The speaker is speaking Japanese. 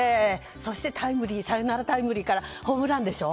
そしてサヨナラタイムリーからホームランでしょ。